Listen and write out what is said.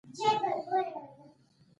غبرګولی د ښوونځیو د ازموینو میاشت وي.